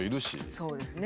そうですね。